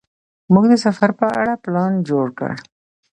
موږ د سفر په اړه پلان جوړ کړ.